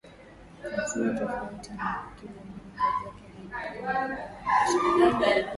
Alisema tofauti na mawakili wengine kazi yake haina gharama kubwa za uendeshaji kwa kuwa